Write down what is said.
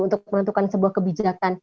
untuk menentukan sebuah kebijakan